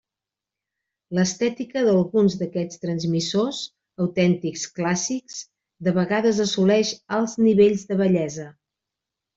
L'estètica d'alguns d'aquests transmissors, autèntics clàssics, de vegades assoleix alts nivells de bellesa.